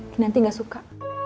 kinanti gak suka